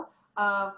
tadi ada yang bilang